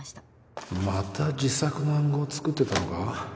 また自作の暗号作ってたのか